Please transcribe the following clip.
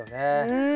うん！